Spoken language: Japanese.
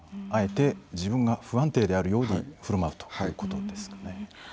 あえて自分が不安定であるようにふるまうということですね。